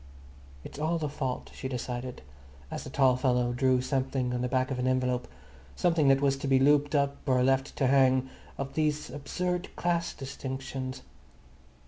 It's all the fault, she decided, as the tall fellow drew something on the back of an envelope, something that was to be looped up or left to hang, of these absurd class distinctions.